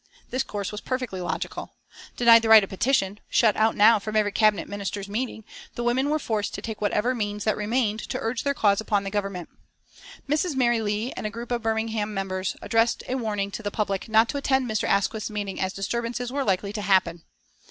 This course was perfectly logical. Denied the right of petition, shut out now from every Cabinet Minister's meeting, the women were forced to take whatever means that remained to urge their cause upon the Government. Mrs. Mary Leigh and a group of Birmingham members addressed a warning to the public not to attend Mr. Asquith's meeting as disturbances were likely to happen.